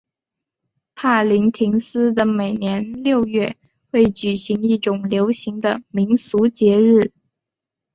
帕林廷斯的每年六月会举行一种流行的民俗节日。